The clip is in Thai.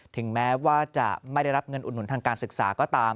ถึงแม้ว่าจะไม่ได้รับเงินอุดหนุนทางการศึกษาก็ตาม